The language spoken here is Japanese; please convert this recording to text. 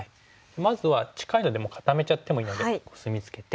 まずは近いのでもう固めちゃってもいいのでコスミツケて。